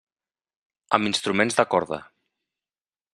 Amb instruments de corda.